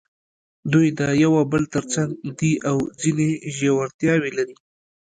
دوی د یو او بل تر څنګ دي او ځینې ژورتیاوې لري.